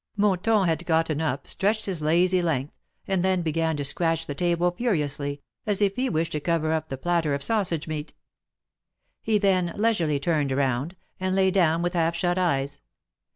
Monton had gotten up, stretched his lazy length, and Jthen began to scratch the table furiously, as if he wished to cover up the platter of sausage meat. He then leisurely turned round, and lay down with half shut eyes.